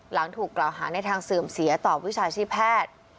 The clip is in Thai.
หลังถูกกล่าวหาในทางเสื่อมเสียต่อวิชาชีพแพทย์